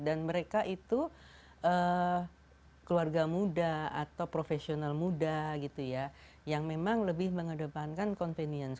dan mereka itu keluarga muda atau profesional muda gitu ya yang memang lebih mengedepankan convenience